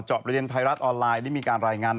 เจาะบริเวณไทยรัฐออนไลน์